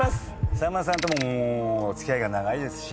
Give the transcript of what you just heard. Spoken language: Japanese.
沢村さんとももう付き合いが長いですし。